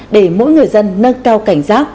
để mỗi người dân nâng cao cảnh giác